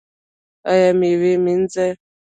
ایا میوه مینځئ؟